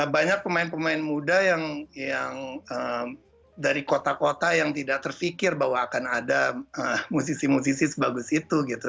banyak pemain pemain muda yang dari kota kota yang tidak terfikir bahwa akan ada musisi musisi sebagus itu gitu